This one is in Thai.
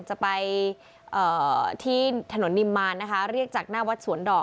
จะไปที่ถนนนิมมารนะคะเรียกจากหน้าวัดสวนดอก